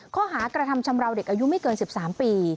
ข้อหากระทำชำราวเด็กอายุไม่เกิน๑๓ปี